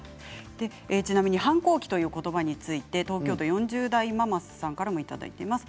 ちなみに反抗期ということばについて東京都４０代のママさんからもいただいています。